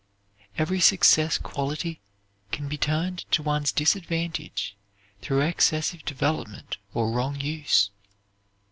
Every success quality can be turned to one's disadvantage through excessive development or wrong use.